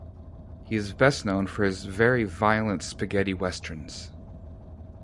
He is best known for his very violent spaghetti westerns.